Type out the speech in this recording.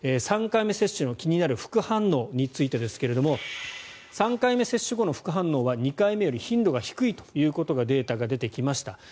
３回目接種の気になる副反応についてですが３回目接種後の副反応は２回目より頻度が低いということがデータが出てきました。